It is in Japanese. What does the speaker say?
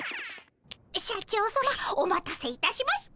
社長さまお待たせいたしました。